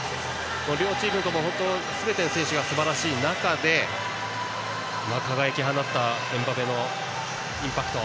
両チームすべての選手がすばらしい中で輝きを放ったエムバペのインパクト。